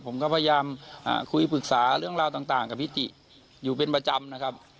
ผมก็พยายามคุยปรึกษาเรื่องราวต่างกับพี่ติอยู่เป็นประจำนะครับ